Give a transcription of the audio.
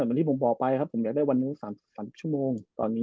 ตอนนี้พอรอได้วันนึง๓๐ชั่วโมง